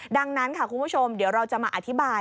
ดังนั้นค่ะคุณผู้ชมเดี๋ยวเราจะมาอธิบาย